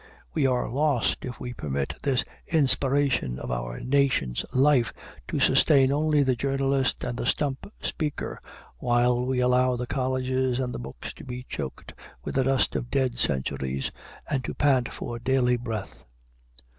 We are lost if we permit this inspiration of our nation's life to sustain only the journalist and the stump speaker, while we allow the colleges and the books to be choked with the dust of dead centuries and to pant for daily breath.